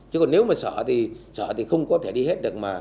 chứ còn nếu mà sở thì không có thể đi hết được